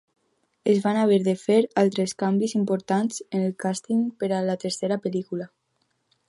Es van haver de fer altres canvis importants en el càsting per a la tercera pel·lícula.